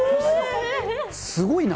すごいな。